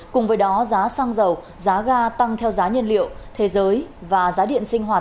từ đó giá xăng dầu giá ga tăng theo giá nhân liệu thế giới và giá điện sinh hoạt